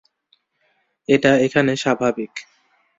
এটা এখানে স্বাভাবিক।